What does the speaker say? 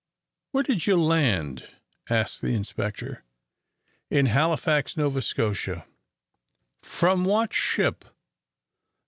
"Where did you land?" asked the inspector. "In Halifax, Nova Scotia." "From what ship?"